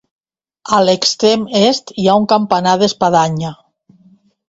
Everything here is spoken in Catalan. A l'extrem est hi ha un campanar d'espadanya.